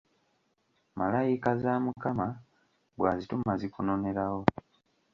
Malayika za Mukama bw'azituma zikunonerawo.